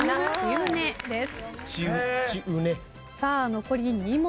残り２問。